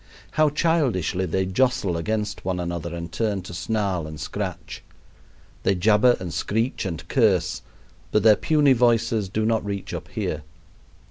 How childishly they jostle against one another and turn to snarl and scratch! They jabber and screech and curse, but their puny voices do not reach up here.